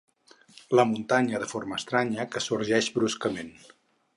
La muntanya de forma estranya que sorgeix bruscament